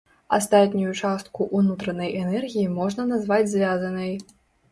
Астатнюю частку ўнутранай энергіі можна назваць звязанай.